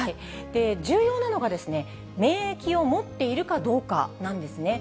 重要なのが、免疫を持っているかどうかなんですね。